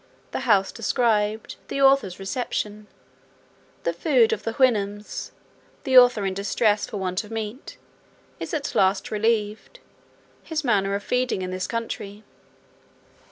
The house described. The author's reception. The food of the Houyhnhnms. The author in distress for want of meat, is at last relieved. His manner of feeding in this country.